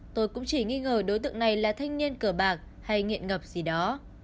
tôi cũng chỉ nghi ngờ đối tượng này là thanh niên cờ bạc hay nghiện ngập gì đó